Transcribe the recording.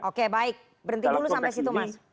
oke baik berhenti dulu sampai situ mas